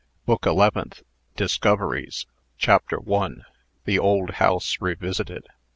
BOOK ELEVENTH. DISCOVERIES. CHAPTER I. THE OLD HOUSE REVISITED.